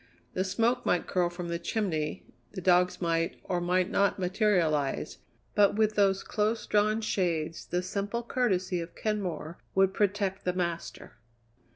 The smoke might curl from the chimney, the dogs might, or might not, materialize, but with those close drawn shades the simple courtesy of Kenmore would protect the master.